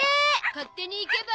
勝手に行けば。